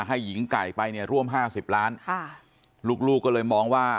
หญิงไก่ไปเนี่ยร่วมห้าสิบล้านค่ะลูกลูกก็เลยมองว่า